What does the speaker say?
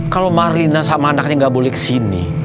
kalau marlina sama anaknya enggak boleh ke sini